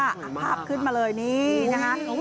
ภาพขึ้นมาเลยนี่นะคะ